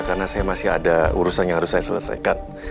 karena saya masih ada urusan yang harus saya selesaikan